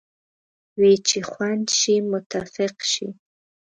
وې چې غونډ شئ متفق شئ.